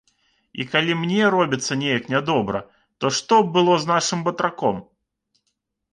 І калі мне робіцца неяк нядобра, то што б было з нашым батраком?